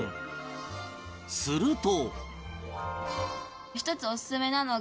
すると